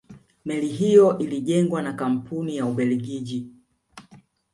meli hiyo ilijengwa na kampuni ya ubelgiji